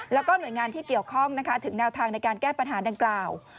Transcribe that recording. แล้วก็หน่วยงานที่เกี่ยวข้องนะคะถึงแนวทางในการแก้ปัญหาดังกล่าว